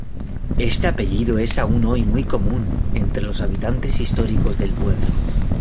Este apellido es aún hoy muy común entre los habitantes históricos del pueblo.